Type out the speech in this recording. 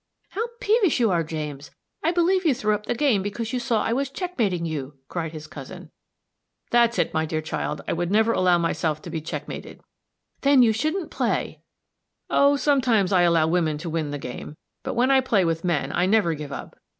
"How peevish you are, James! I believe you threw up the game because you saw I was checkmating you," cried his cousin. "That's it, my dear child; I never would allow myself to be checkmated!" "Then you shouldn't play!" "Oh, sometimes I allow women to win the game; but when I play with men, I never give up.